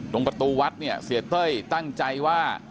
ตรงประตูวัดเนี่ยเสียเต้ยตั้งใจว่า